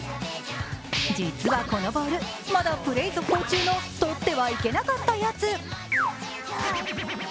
実はこのボール、まだプレー続行中のとってはいけなかったやつ。